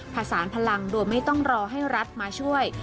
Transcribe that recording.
ผสานพลังโดยไม่ต้องรอให้รัฐมาช่วย